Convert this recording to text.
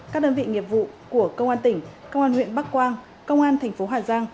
các đơn vị nghiệp vụ của công an tỉnh công an huyện bắc quang công an thành phố hà giang